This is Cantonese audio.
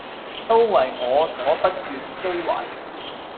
都爲我所不願追懷，